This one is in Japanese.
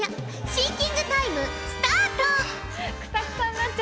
シンキングタイムスタート！